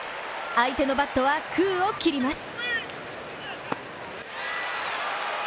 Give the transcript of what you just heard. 相手のバットは空を切ります。